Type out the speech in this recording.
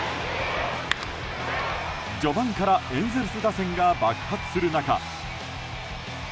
序盤からエンゼルス打線が爆発する中